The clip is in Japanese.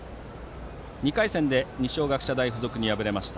２回戦で二松学舎大付属に敗れました。